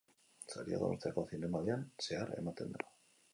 Saria, Donostiako Zinemaldian zehar ematen da.